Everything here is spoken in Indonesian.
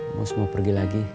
mus mau pergi lagi